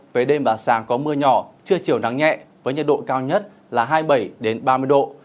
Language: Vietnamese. về đêm và sáng có mưa nhỏ chưa chiều nắng nhẹ với nhiệt độ cao nhất là hai mươi bảy ba mươi độ